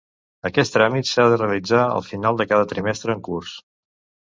Aquest tràmit s'ha de realitzar al final de cada trimestre en curs.